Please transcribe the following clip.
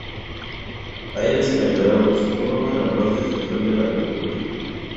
Hay once candelabros, uno en la parte central de la cúpula.